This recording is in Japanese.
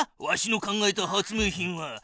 わしの考えた発明品は。